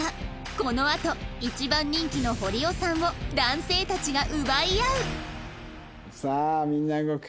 このあと一番人気の堀尾さんを男性たちが奪い合うさあみんな動く。